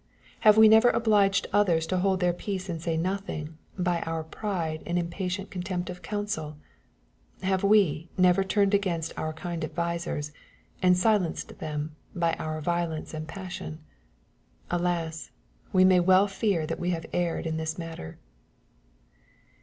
Have we never obliged others to hold their peace and say nothing, by our pride and impatient con tempt of counsel ? Have we never turned against our kind advisers, and silenced them by 'our violence and passion ? Alas 1 we may well fear that we have erred in this matter.